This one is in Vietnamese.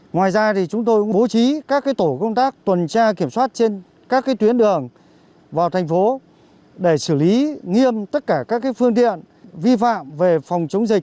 ngoài ra thì chúng tôi bố trí các tổ công tác tuần tra kiểm soát trên các tuyến đường vào tp để xử lý nghiêm tất cả các phương tiện vi phạm về phòng chống dịch